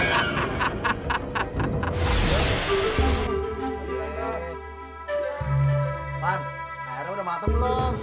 man airnya udah mateng belum